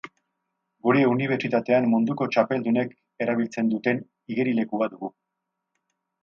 Gure unibertsitatean munduko txapeldunek erabiltzen duten igerilekua dugu.